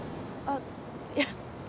あっいや。